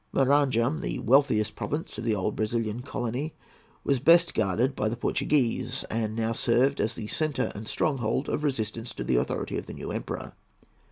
Maranham, the wealthiest province of the old Brazilian colony, was best guarded by the Portuguese, and now served as the centre and stronghold of resistance to the authority of the new Emperor.